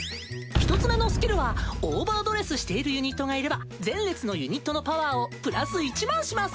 １つめのスキルはオーバードレスしているユニットがいれば前列のユニットのパワーをプラス１００００します。